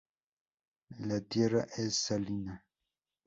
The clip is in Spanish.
La tierra es salina.